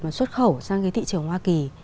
mà xuất khẩu sang cái thị trường hoa kỳ